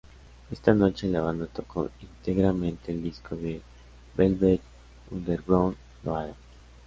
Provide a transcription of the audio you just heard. Esta noche, la banda tocó íntegramente el disco de Velvet Underground "Loaded".